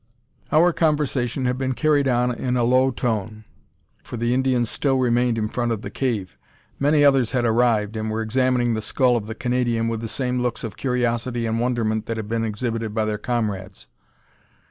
Our conversation had been carried on in a low tone, for the Indians still remained in front of the cave. Many others had arrived, and were examining the skull of the Canadian with the same looks of curiosity and wonderment that had been exhibited by their comrades.